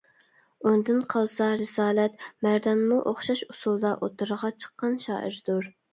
ئۇندىن قالسا رىسالەت مەردانمۇ ئوخشاش ئۇسۇلدا ئوتتۇرىغا چىققان شائىردۇر.